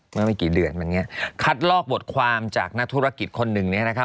เมื่อไม่กี่เดือนเมื่อกี้คัดลอกบทความจากนักธุรกิจคนหนึ่งเนี่ยนะครับ